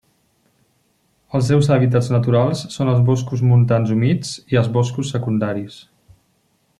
Els seus hàbitats naturals són els boscos montans humits i els boscos secundaris.